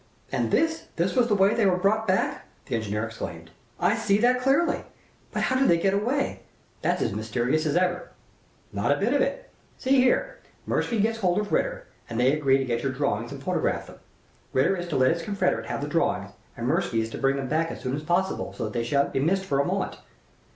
"And this this was the way they were brought back!" the engineer exclaimed. "I see that clearly. But how did they get away? That's as mysterious as ever." "Not a bit of it! See here. Mirsky gets hold of Ritter, and they agree to get your drawings and photograph them. Ritter is to let his confederate have the drawings, and Mirsky is to bring them back as soon as possible, so that they sha'n't be missed for a moment.